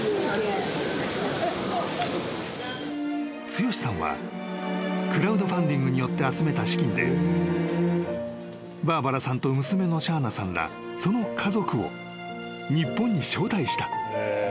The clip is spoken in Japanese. ［剛志さんはクラウドファンディングによって集めた資金でバーバラさんと娘のシャーナさんらその家族を日本に招待した］